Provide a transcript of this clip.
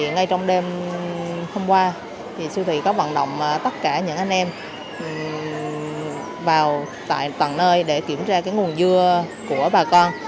ngay trong đêm hôm qua siêu thị có vận động tất cả những anh em vào tại tầng nơi để kiểm tra nguồn dưa của bà con